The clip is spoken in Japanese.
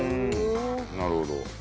なるほど。